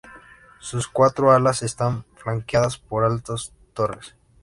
Sus cuatro alas están flanqueadas por altas torres.